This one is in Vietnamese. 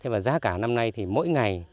và giá cả năm nay thì mỗi ngày